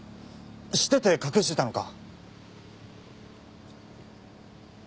知ってて隠してたのか？